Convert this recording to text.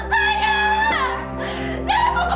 saya ingin menghantarkan mereka